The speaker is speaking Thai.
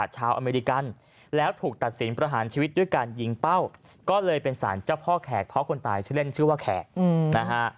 อเมริกันแล้วถูกตัดสินประหารชีวิตด้วยการยิงเป้าก็เลยเป็นสารเจ้าพ่อแขกเพราะคนตายชื่อเล่นชื่อว่าแขกนะฮะ